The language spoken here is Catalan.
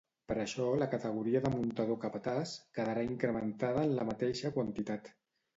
Per això la categoria de muntador-capataç, quedarà incrementada en la mateixa quantitat.